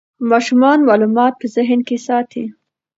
ماشومان معلومات په ذهن کې ساتي.